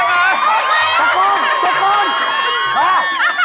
สำคัญ